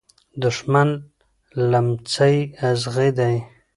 دښمن د لمڅی ازغي دی .